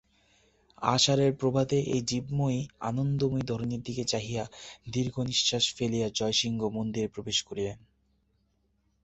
আষাঢ়ের প্রভাতে এই জীবময়ী আনন্দময়ী ধরণীর দিকে চাহিয়া দীর্ঘনিশ্বাস ফেলিয়া জয়সিংহ মন্দিরে প্রবেশ করিলেন।